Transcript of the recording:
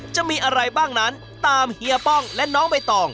จะมีอะไรบ้างนั้นตามเฮียป้องและน้องใบตอง